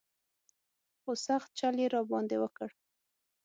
خو سخت چل یې را باندې وکړ.